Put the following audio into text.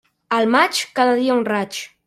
Al maig, cada dia un raig.